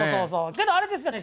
けどあれですよね